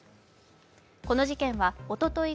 この事件はおととい